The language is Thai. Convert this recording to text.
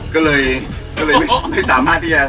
ก็เลยไม่สามารถที่จะ